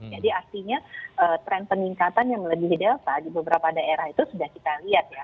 jadi artinya tren peningkatan yang melebihi delta di beberapa daerah itu sudah kita lihat ya